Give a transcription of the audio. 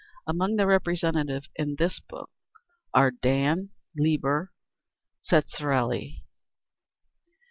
Among their representatives in this book are: Dan, Lieber, Tseretelli.